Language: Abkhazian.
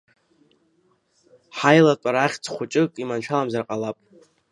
Ҳаилатәара ахьӡ хәыҷык иманшәаламзар ҟалап.